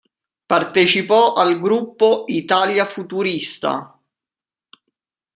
Partecipò al gruppo "Italia futurista".